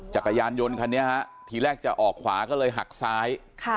จักรยานยนต์คันนี้ฮะทีแรกจะออกขวาก็เลยหักซ้าย